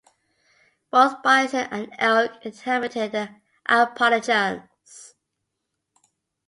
Both bison and elk inhabited the Appalachians.